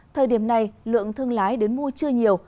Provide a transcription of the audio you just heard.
thời điểm này lượng thương lái đến mua chưa nhiều